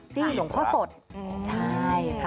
สวัสดีค่ะ